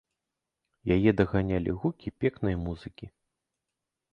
Яе даганялі гукі пекнай музыкі.